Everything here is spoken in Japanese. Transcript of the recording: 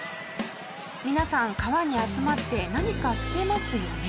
皆さん川に集まって何かしてますよね。